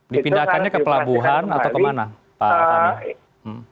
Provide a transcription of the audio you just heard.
dipindahkannya ke pelabuhan atau kemana pak sana